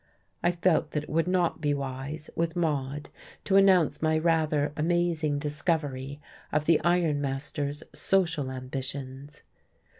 I felt that it would not be wise, with Maude, to announce my rather amazing discovery of the iron master's social ambitions.